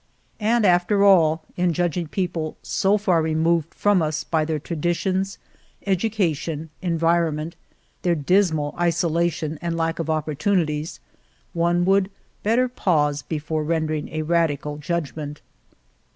And, after all, in judging people so far removed 42 Argamasilla from us by their traditions, education, en vironment, their dismal isolation and lack of opportunities, one would better pause before rendering a radical judgment.